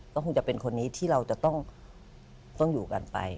ก็คงจะเป็นคนนี้ที่เราจะต้องอยู่กันไป